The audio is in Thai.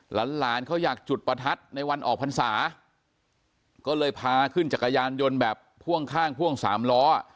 หลานเขาอยากจุดประทัดในวันออกพรรษาก็เลยพาขึ้นจักรยานยนต์แบบพ่วงข้างพ่วงสามล้อ